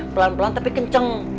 pelan pelan tapi kenceng